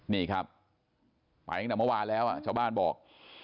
นี่ครับไปตั้งแต่เมื่อวานแล้วชาวบ้านบอก